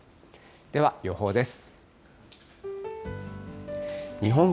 では、予報です。